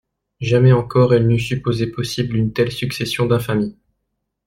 Jamais encore elle n'eût supposé possible une telle succession d'infamies.